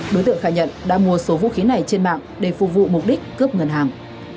đối tượng khai nhận đã mua số vũ khí này trên mạng để phục vụ mục đích cướp ngân hàng